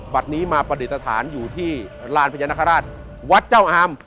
นี้มาประดิษฐานอยู่ที่ลานพญานาคาราชวัดเจ้าอาม